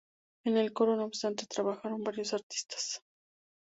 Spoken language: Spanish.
En el coro, no obstante, trabajaron varios artistas.